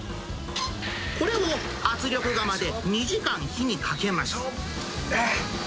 これを圧力釜で２時間、火にかけます。